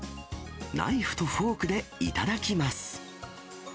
ナイフとフォークで頂きます。